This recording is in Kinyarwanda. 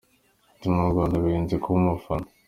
Ati “Mu Rwanda birenze kuba umufana.